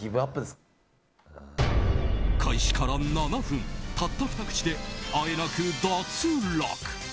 開始から７分たった２口であえなく脱落。